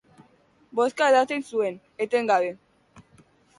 Vodka edaten zuen, etengabe.